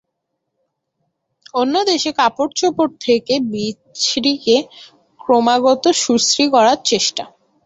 অন্য দেশে কাপড় চোপড় ঢেকে বিশ্রীকে ক্রমাগত সুশ্রী করবার চেষ্টা।